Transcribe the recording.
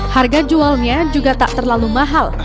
harga jualnya juga tak terlalu mahal